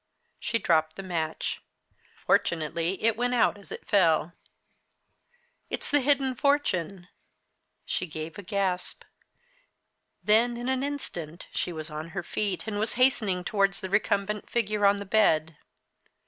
She dropped the match. Fortunately it went out as it fell. "It's the hidden fortune!" She gave a gasp. Then in an instant she was on her feet and was hastening towards the recumbent figure on the bed.